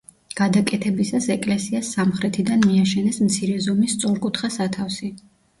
გადაკეთებისას ეკლესიას სამხრეთიდან მიაშენეს მცირე ზომის სწორკუთხა სათავსი.